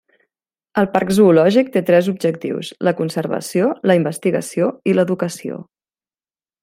El Parc Zoològic té tres objectius: la conservació, la investigació i l'educació.